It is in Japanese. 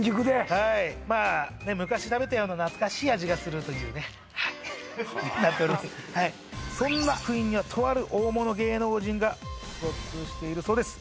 はいまあ昔食べたような懐かしい味がするというねはいそんなクインにはとある大物芸能人が出没しているそうです